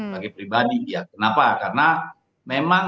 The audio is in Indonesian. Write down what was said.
bagi pribadi dia kenapa karena memang